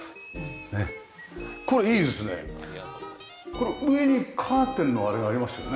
これ上にカーテンのあれがありますよね？